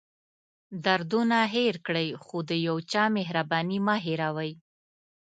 دردونه هېر کړئ خو د یو چا مهرباني مه هېروئ.